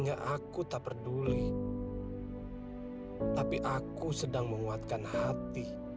saat ini aku mencari pengalihan